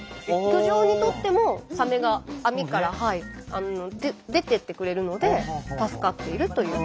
漁場にとってもサメが網から出てってくれるので助かっているという。